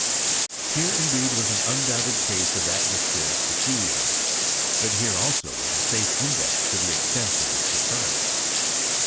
Here, indeed, was an undoubted case of atmospheric diffusion; but here, also, was a safe index to the extent of its occurrence.